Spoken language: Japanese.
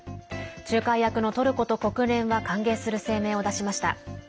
仲介役のトルコと国連は歓迎する声明を出しました。